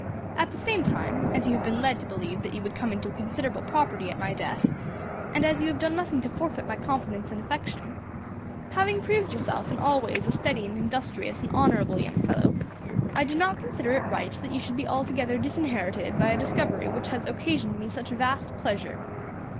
At the same time, as you have been led to believe that you would come into a considerable property at my death, and as you have done nothing to forfeit my confidence and affection, having proved yourself in all ways a steady and industrious and honourable young fellow, I do not consider it right that you should be altogether disinherited by a discovery which has occasioned me such vast pleasure.